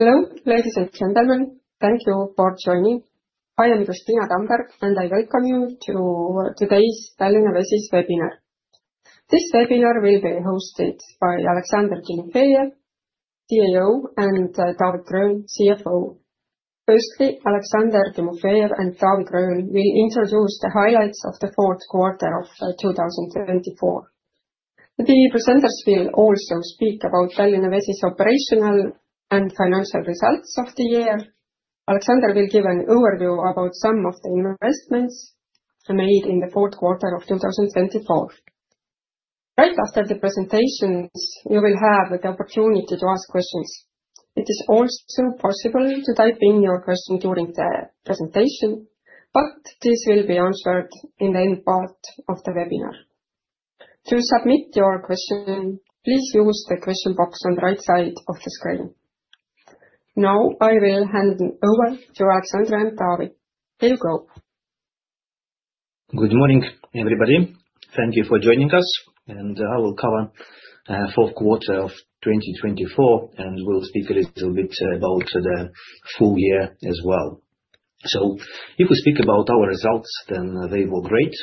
Hello, ladies and gentlemen, thank you for joining. I am Kristiina Tamberg and I welcome you to today's Tallinna Vesi webinar. This webinar will be hosted by Aleksandr Timofejev, CEO, and Taavi Gröön, CFO. Firstly, Aleksandr Timofejev and Taavi Gröön will introduce the highlights of the fourth quarter of 2024. The presenters will also speak about Tallinna Vesi's operational and financial results of the year. Aleksandr will give an overview about some of the investments made in the fourth quarter of 2024. Right after the presentations, you will have the opportunity to ask questions. It is also possible to type in your question during the presentation, but this will be answered in the end part of the webinar. To submit your question, please use the question box on the right side of the screen. Now I will hand over to Aleksandr and Taavi. Here you go. Good morning, everybody. Thank you for joining us. I will cover the fourth quarter of 2024, and we'll speak a little bit about the full year as well. If we speak about our results, then they were great.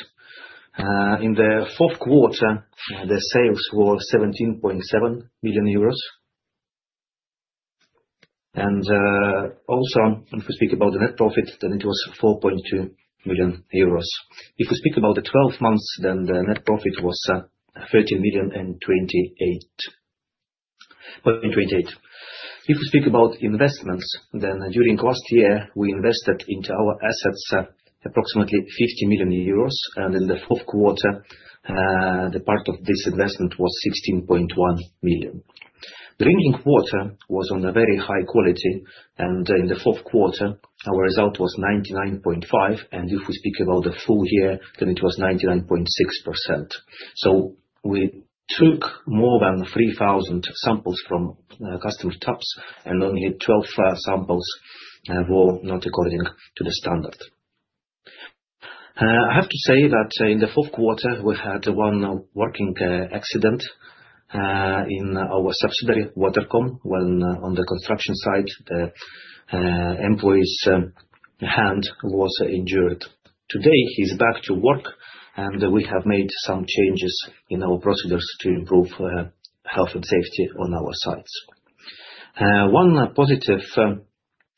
In the fourth quarter, the sales were EUR 17.7 million. If we speak about the net profit, then it was 4.2 million euros. If we speak about the 12 months, then the net profit was 13.028 million. If we speak about investments, then during last year, we invested into our assets approximately 50 million euros, and in the fourth quarter, the part of this investment was 16.1 million. The drinking water was of very high quality, and in the fourth quarter, our result was 99.5%, and if we speak about the full year, then it was 99.6%. We took more than 3,000 samples from customer taps, and only 12 samples were not according to the standard. I have to say that in the fourth quarter, we had one working accident in our subsidiary, Watercom, when on the construction site, the employee's hand was injured. Today, he's back to work, and we have made some changes in our procedures to improve health and safety on our sites. One positive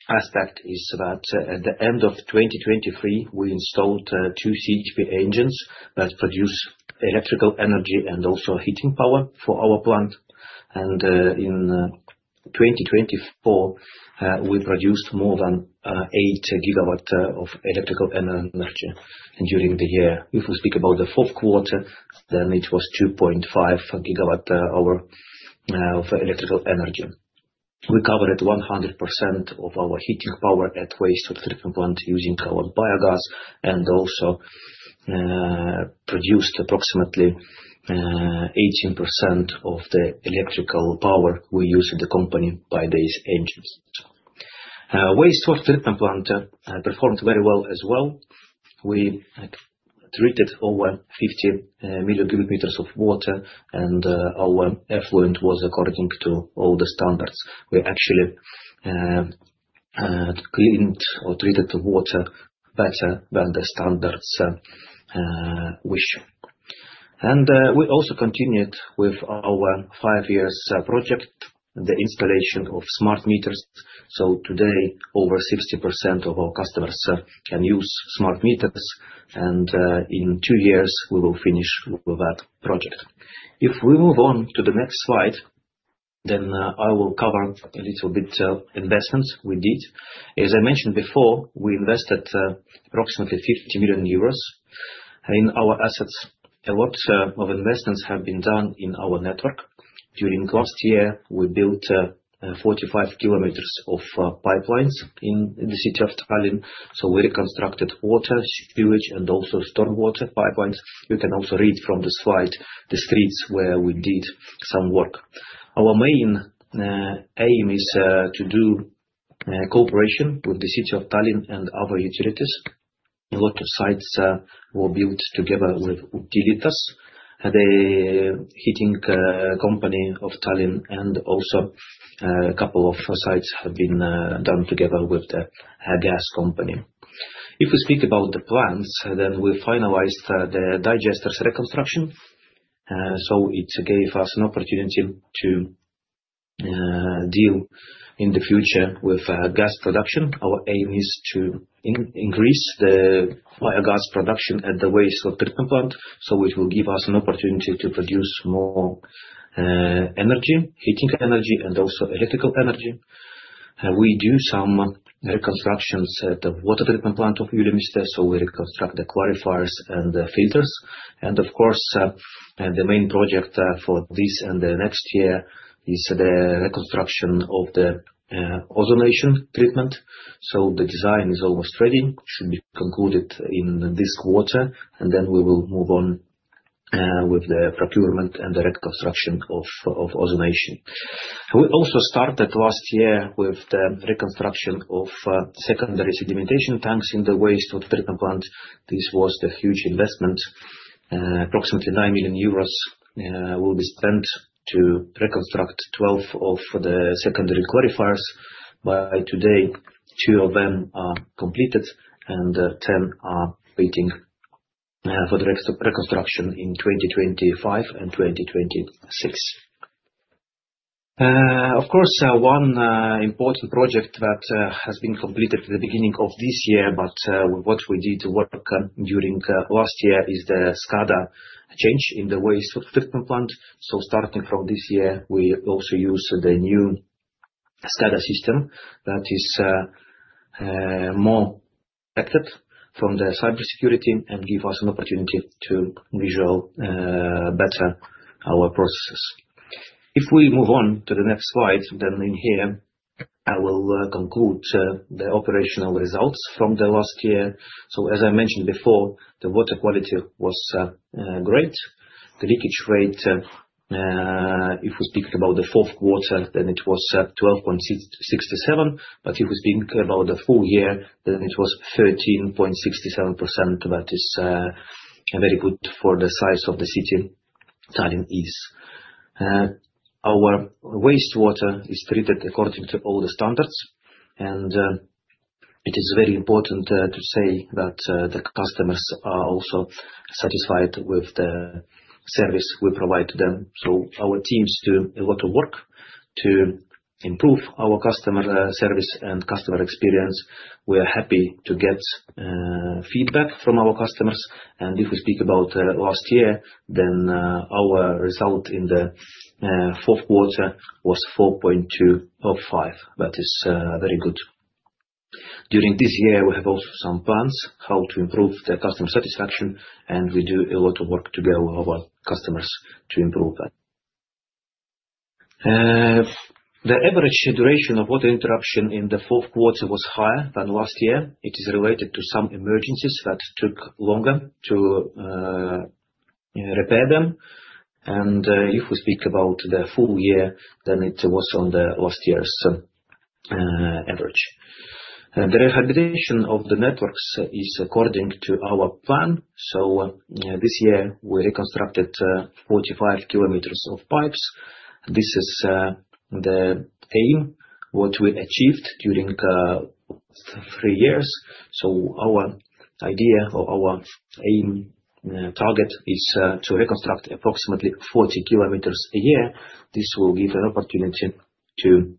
aspect is that at the end of 2023, we installed two CHP engines that produce electrical energy and also heating power for our plant. In 2024, we produced more than 8 GW of electrical energy. During the year, if we speak about the fourth quarter, then it was 2.5 GW of electrical energy. We covered 100% of our heating power at wastewater treatment plant using our biogas and also produced approximately 18% of the electrical power we use in the company by these engines. Wastewater treatment plant performed very well as well. We treated over 50 million cubic meters of water, and our effluent was according to all the standards. We actually cleaned or treated the water better than the standards wish. We also continued with our five-year project, the installation of smart water meters. Today, over 60% of our customers can use smart water meters, and in two years, we will finish with that project. If we move on to the next slide, I will cover a little bit of investments we did. As I mentioned before, we invested approximately 50 million euros in our assets. A lot of investments have been done in our network. During last year, we built 45 km of pipelines in the city of Tallinn. We reconstructed water, sewage, and also stormwater pipelines. You can also read from the slide the streets where we did some work. Our main aim is to do cooperation with the city of Tallinn and other utilities. A lot of sites were built together with Utilitas, the heating company of Tallinn, and also a couple of sites have been done together with the gas company. If we speak about the plants, we finalized the digesters reconstruction. It gave us an opportunity to deal in the future with gas production. Our aim is to increase the biogas production at the wastewater treatment plant, so it will give us an opportunity to produce more energy, heating energy, and also electrical energy. We do some reconstructions at the water treatment plant of Ülemiste, so we reconstruct the clarifiers and the filters. Of course, the main project for this and the next year is the reconstruction of the ozonation treatment. The design is almost ready, should be concluded in this quarter, and then we will move on with the procurement and the reconstruction of ozonation. We also started last year with the reconstruction of secondary sedimentation tanks in the wastewater treatment plant. This was a huge investment. Approximately 9 million euros will be spent to reconstruct 12 of the secondary clarifiers. By today, two of them are completed, and 10 are waiting for the reconstruction in 2025 and 2026. Of course, one important project that has been completed at the beginning of this year, but what we did work on during last year is the SCADA change in the wastewater treatment plant. Starting from this year, we also use the new SCADA system that is more protected from the cybersecurity and gives us an opportunity to visualize better our processes. If we move on to the next slide, in here, I will conclude the operational results from the last year. As I mentioned before, the water quality was great. The leakage rate, if we speak about the fourth quarter, was 12.67%, but if we speak about the full year, it was 13.67%. That is very good for the size of the city Tallinn East. Our wastewater is treated according to all the standards, and it is very important to say that the customers are also satisfied with the service we provide to them. Our teams do a lot of work to improve our customer service and customer experience. We are happy to get feedback from our customers. If we speak about last year, then our result in the fourth quarter was 4.205%. That is very good. During this year, we have also some plans how to improve the customer satisfaction, and we do a lot of work together with our customers to improve that. The average duration of water interruption in the fourth quarter was higher than last year. It is related to some emergencies that took longer to repair them. If we speak about the full year, then it was on the last year's average. The rehabilitation of the networks is according to our plan. This year, we reconstructed 45 km of pipes. This is the aim, what we achieved during three years. Our idea or our aim target is to reconstruct approximately 40 km a year. This will give an opportunity to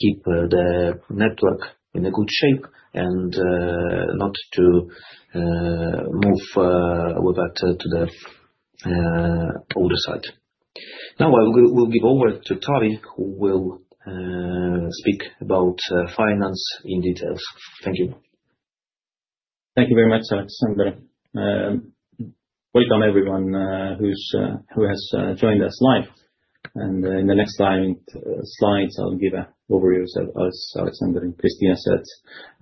keep the network in good shape and not to move with that to the other side. Now I will give over to Taavi, who will speak about finance in detail. Thank you. Thank you very much, Aleksandr. Welcome everyone who has joined us live. In the next slides, I'll give an overview, as Aleksandr and Kristiina said,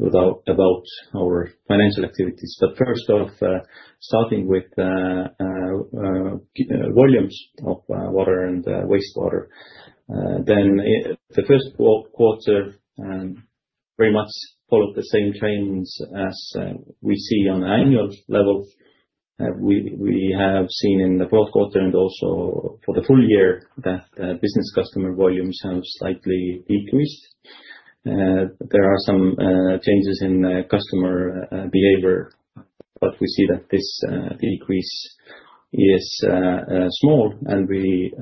about our financial activities. First, starting with volumes of water and wastewater. The first quarter very much followed the same trends as we see on annual level. We have seen in the fourth quarter and also for the full year that business customer volumes have slightly decreased. There are some changes in customer behavior, but we see that this decrease is small, and we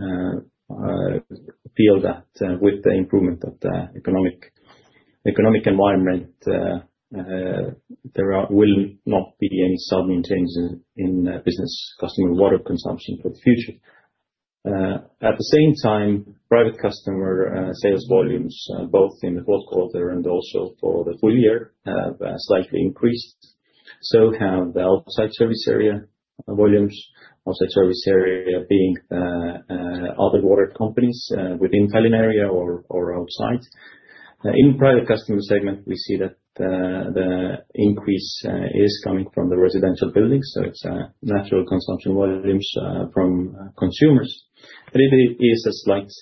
feel that with the improvement of the economic environment, there will not be any sudden changes in business customer water consumption for the future. At the same time, private customer sales volumes, both in the fourth quarter and also for the full year, have slightly increased. Have the outside service area volumes, outside service area being other water companies within Tallinna area or outside. In private customer segment, we see that the increase is coming from the residential buildings, so it's natural consumption volumes from consumers. It is a slight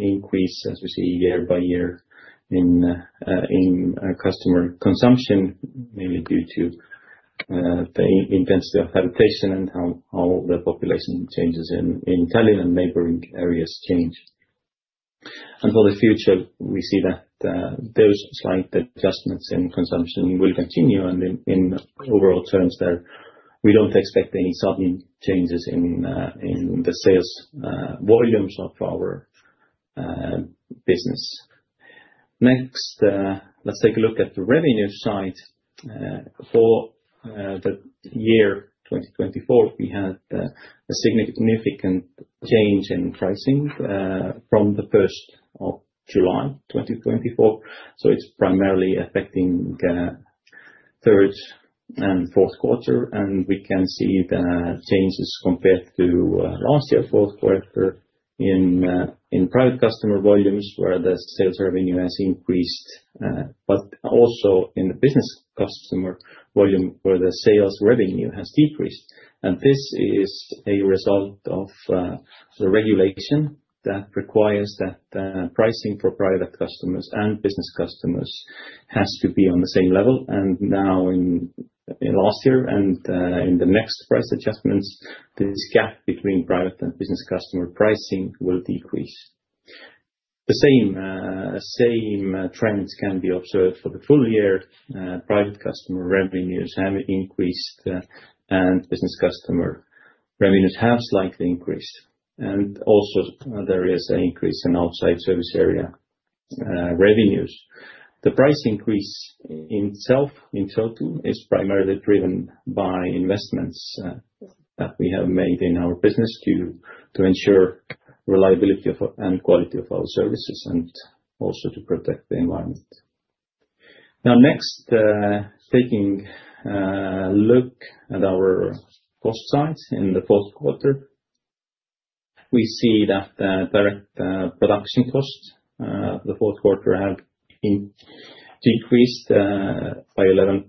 increase, as we see year by year, in customer consumption, mainly due to the intensity of habitation and how the population changes in Tallinna and neighboring areas change. For the future, we see that those slight adjustments in consumption will continue. In overall terms, we do not expect any sudden changes in the sales volumes of our business. Next, let's take a look at the revenue side. For the year 2024, we had a significant change in pricing from the 1st of July 2024. It is primarily affecting the third and fourth quarter. We can see the changes compared to last year's fourth quarter in private customer volumes, where the sales revenue has increased, but also in the business customer volume, where the sales revenue has decreased. This is a result of the regulation that requires that pricing for private customers and business customers has to be on the same level. Now in last year and in the next price adjustments, this gap between private and business customer pricing will decrease. The same trends can be observed for the full year. Private customer revenues have increased, and business customer revenues have slightly increased. Also, there is an increase in outside service area revenues. The price increase in itself, in total, is primarily driven by investments that we have made in our business to ensure reliability and quality of our services and also to protect the environment. Now, next, taking a look at our cost sides in the fourth quarter, we see that the direct production costs of the fourth quarter have decreased by 11%.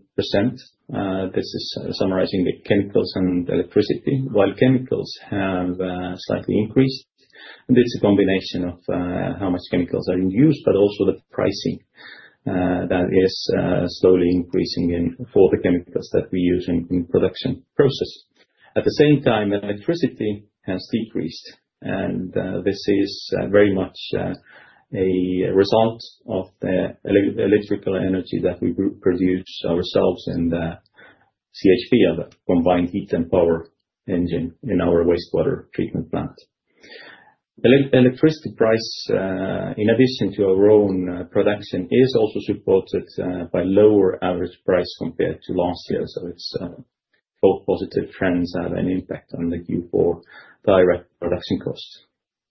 This is summarizing the chemicals and electricity, while chemicals have slightly increased. And it's a combination of how much chemicals are in use, but also the pricing that is slowly increasing for the chemicals that we use in the production process. At the same time, electricity has decreased, and this is very much a result of the electrical energy that we produce ourselves in the CHP, the combined heat and power engine in our wastewater treatment plant. Electricity price, in addition to our own production, is also supported by lower average price compared to last year. It's both positive trends that have an impact on the Q4 direct production costs.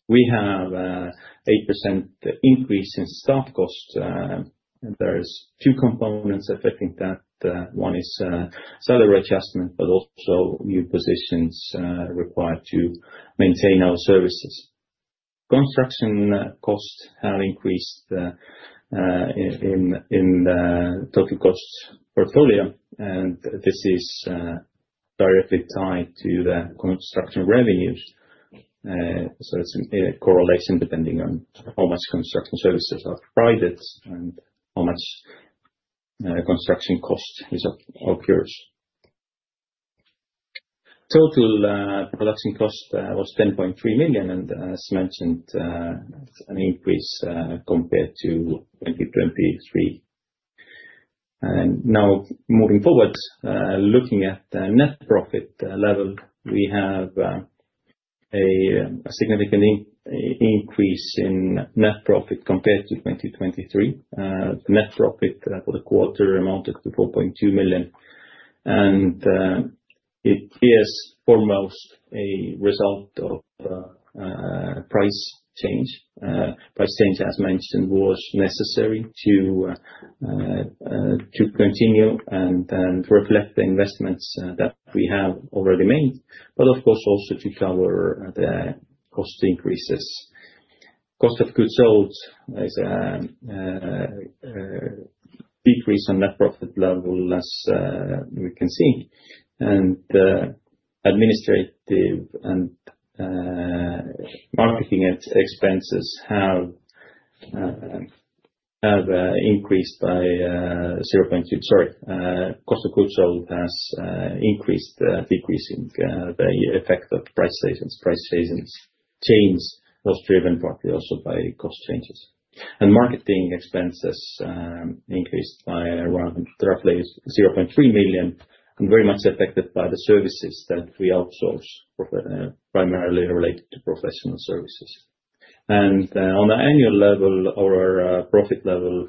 We have an 8% increase in staff costs. There are two components affecting that. One is salary adjustment, but also new positions required to maintain our services. Construction costs have increased in the total cost portfolio, and this is directly tied to the construction revenues. It is a correlation depending on how much construction services are provided and how much construction cost occurs. Total production cost was 10.3 million, and as mentioned, an increase compared to 2023. Now, moving forward, looking at the net profit level, we have a significant increase in net profit compared to 2023. Net profit for the quarter amounted to 4.2 million. It is foremost a result of price change. Price change, as mentioned, was necessary to continue and reflect the investments that we have already made, but of course, also to cover the cost increases. Cost of goods sold is a decrease on net profit level, as we can see. Administrative and marketing expenses have increased by 0.2%. Sorry, cost of goods sold has increased, decreasing the effect of price savings. Price savings change was driven partly also by cost changes. Marketing expenses increased by around roughly 0.3 million and very much affected by the services that we outsource, primarily related to professional services. On the annual level, our profit level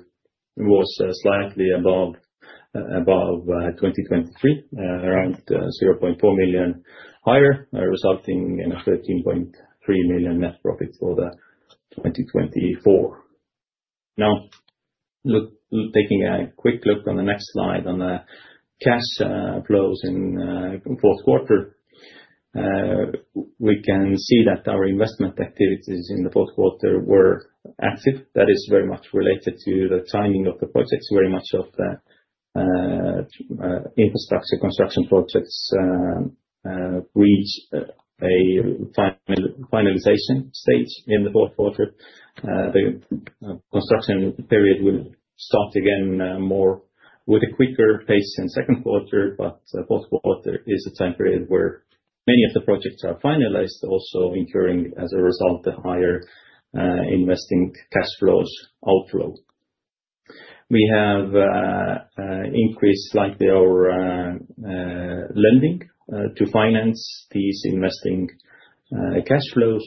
was slightly above 2023, around 0.4 million higher, resulting in a 13.3 million net profit for 2024. Now, taking a quick look on the next slide on the cash flows in the fourth quarter, we can see that our investment activities in the fourth quarter were active. That is very much related to the timing of the projects. Very much of the infrastructure construction projects reach a finalization stage in the fourth quarter. The construction period will start again more with a quicker pace in the second quarter, but the fourth quarter is a time period where many of the projects are finalized, also incurring, as a result, the higher investing cash flows outflow. We have increased slightly our lending to finance these investing cash flows.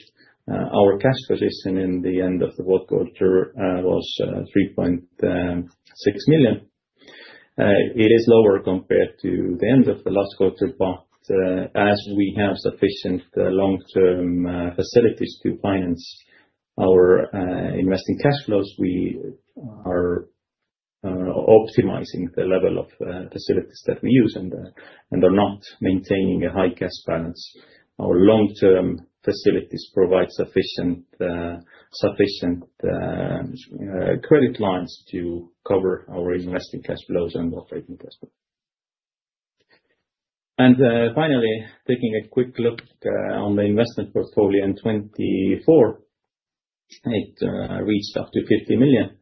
Our cash position in the end of the fourth quarter was 3.6 million. It is lower compared to the end of the last quarter, but as we have sufficient long-term facilities to finance our investing cash flows, we are optimizing the level of facilities that we use and are not maintaining a high cash balance. Our long-term facilities provide sufficient credit lines to cover our investing cash flows and operating cash flows. Finally, taking a quick look on the investment portfolio in 2024, it reached up to 50 million.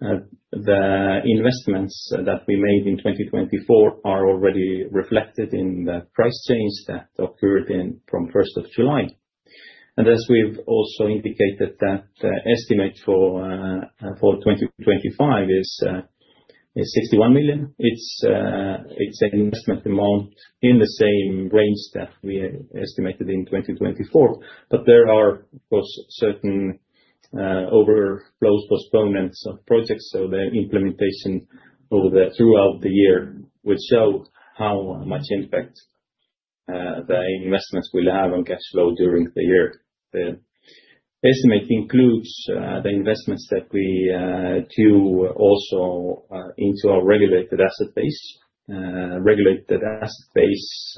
The investments that we made in 2024 are already reflected in the price change that occurred from the 1st of July. As we've also indicated, that estimate for 2025 is 61 million. It's an investment amount in the same range that we estimated in 2024. There are, of course, certain overflows, postponements of projects, so the implementation throughout the year will show how much impact the investments will have on cash flow during the year. The estimate includes the investments that we do also into our regulated asset base. Regulated asset base,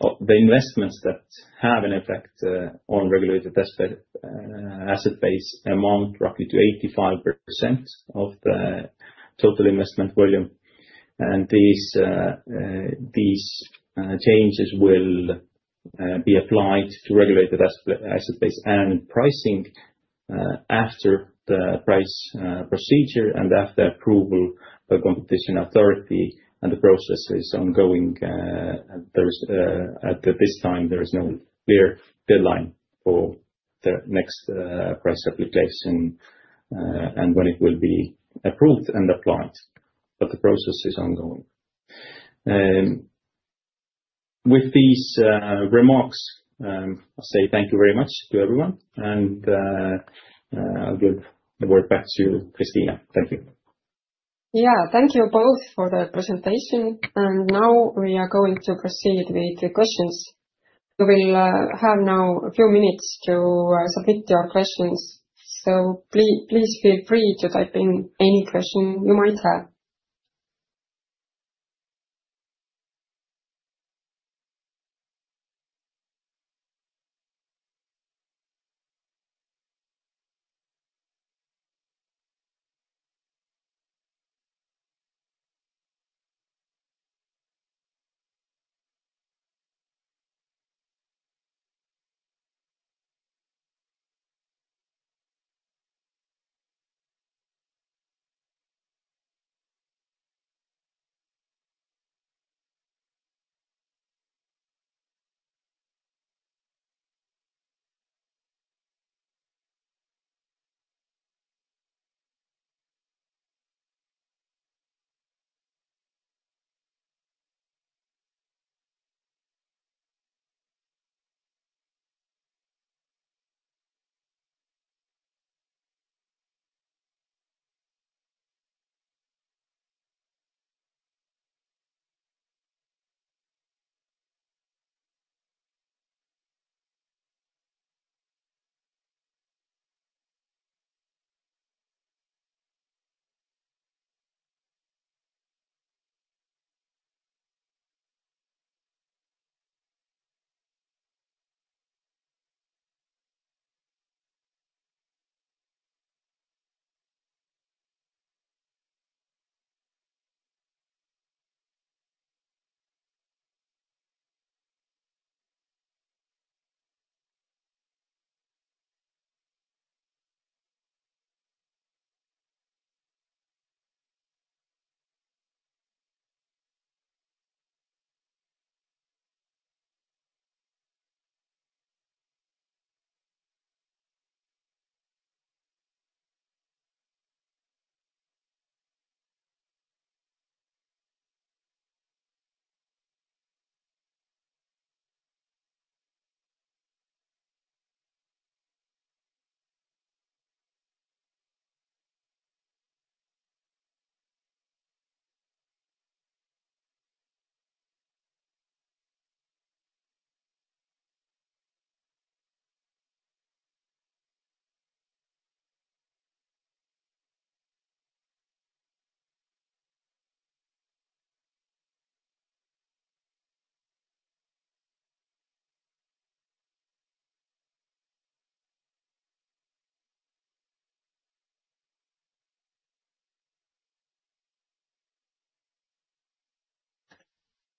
the investments that have an effect on regulated asset base amount roughly to 85% of the total investment volume. These changes will be applied to regulated asset base and pricing after the price procedure and after approval by Competition Authority. The process is ongoing. At this time, there is no clear deadline for the next price application and when it will be approved and applied. The process is ongoing. With these remarks, I say thank you very much to everyone, and I'll give the word back to you, Kristiina. Thank you. Yeah, thank you both for the presentation. Now we are going to proceed with the questions. You will have a few minutes to submit your questions. Please feel free to type in any question you might have.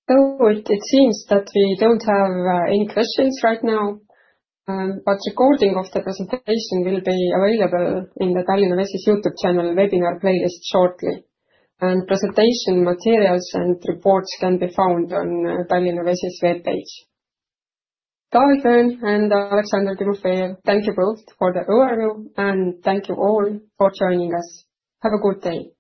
Oh, it seems that we do not have any questions right now, but recording of the presentation will be available in the Tallinna Vesi YouTube channel webinar playlist shortly. Presentation materials and reports can be found on the Tallinna Vesi web page. Taavi Gröön and Aleksandr Timofejev, thank you both for the overview, and thank you all for joining us. Have a good day.